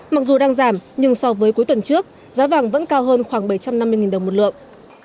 mặc dù đang giảm nhưng so với cuối tuần trước giá vàng vẫn cao hơn khoảng bảy trăm năm mươi đồng một lượng